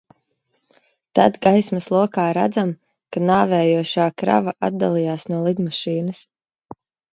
Tad gaismas lokā redzam, ka nāvējošā krava atdalījās no lidmašīnas.